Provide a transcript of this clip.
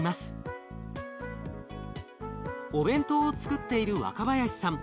お弁当をつくっている若林さん。